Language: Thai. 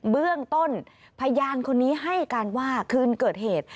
เบื้องต้นพยานคนนี้ให้การว่าคืนเกิดเหตุ